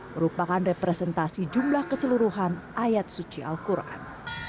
merupakan representasi jumlah keseluruhan ayat suci al quran